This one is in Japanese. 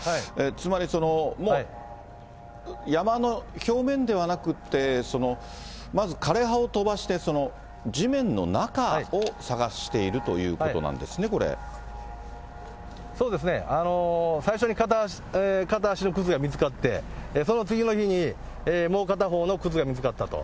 つまり山の表面ではなくって、まず枯れ葉を飛ばして、地面の中を捜しているということなんですね、そうですね、最初に片足の靴が見つかって、その次の日に、もう片方の靴が見つかったと。